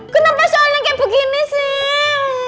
kenapa soalnya kayak begini sih